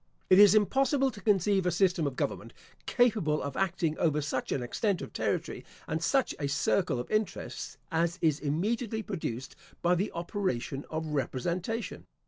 It is impossible to conceive a system of government capable of acting over such an extent of territory, and such a circle of interests, as is immediately produced by the operation of representation.